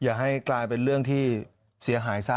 อย่าให้กลายเป็นเรื่องที่เสียหายซะ